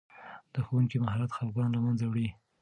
د ښوونکي مهارت خفګان له منځه وړي.